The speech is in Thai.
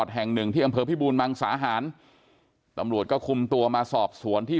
แห่งหนึ่งที่อำเภอพิบูรมังสาหารตำรวจก็คุมตัวมาสอบสวนที่